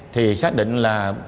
thì xác định là